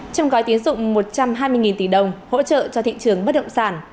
trong gói tiến dụng một trăm hai mươi tỷ đồng hỗ trợ cho thị trường bất động sản